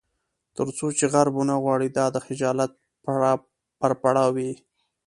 تر څو چې غرب ونه غواړي دا د خجالت پرپړه وي.